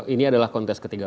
ini adalah kontes ketiga